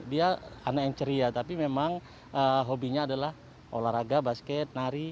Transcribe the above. dia anak yang ceria tapi memang hobinya adalah olahraga basket nari